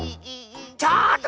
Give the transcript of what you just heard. ちょっと！